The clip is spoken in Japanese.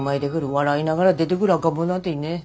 笑いながら出てくる赤ん坊なんていねー。